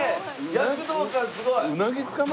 躍動感すごい！